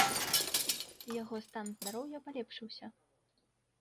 Яго стан здароўя палепшыўся.